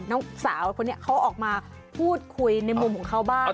น้องสาวคนนี้เขาออกมาพูดคุยในมุมของเขาบ้าง